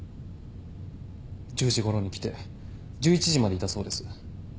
１０時ごろに来て１１時までいたそうです。